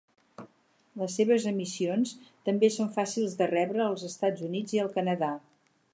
Les seves emissions també són fàcils de rebre als Estats Units i al Canadà.